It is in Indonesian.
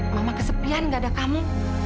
mama kesepian gak ada kamu